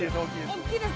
大きいです。